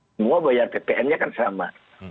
semua bayar ppn nya kan sama